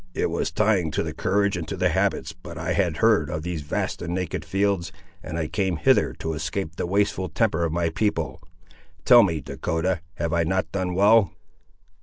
It was trying to the courage and to the habits, but I had heard of these vast and naked fields, and I came hither to escape the wasteful temper of my people. Tell me, Dahcotah, have I not done well?"